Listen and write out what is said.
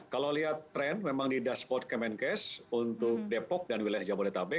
kalau lihat tren memang di dashboard kemenkes untuk depok dan wilayah jabodetabek